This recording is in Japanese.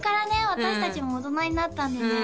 私達も大人になったんでね